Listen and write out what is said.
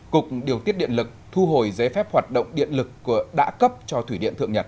cục điều tiết điện lực thu hồi giấy phép hoạt động điện lực đã cấp cho thủy điện thượng nhật